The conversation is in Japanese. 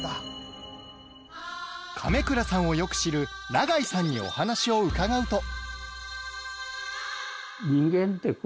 亀倉さんをよく知る永井さんにお話を伺うと